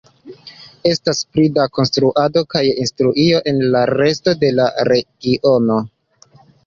Estas pli da konstruado kaj industrio ol en la resto de la regiono.